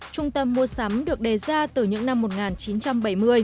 trung tâm mua sắm được đề ra từ những năm một nghìn chín trăm bảy mươi